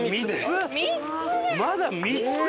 まだ３つ？